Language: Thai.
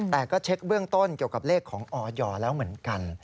แต่ก็เช็คเบื้องต้นเกี่ยวกับเลขของออยแล้วเหมือนกัน